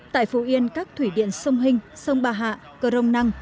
tại phù yên các thủy điện sông hinh sông bà hạ cờ rồng năng